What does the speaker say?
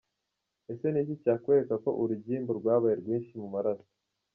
Ese ni iki cyakwereka ko urugimbu rwabaye rwinshi mu maraso?.